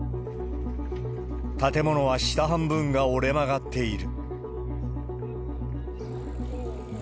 建物は下半分が折れ曲がっている。